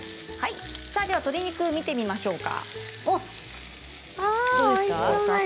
鶏肉を見てみましょうか。